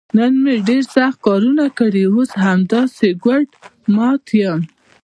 نن مې ډېر سخت کارونه کړي، اوس همداسې ګوډ او مات یم.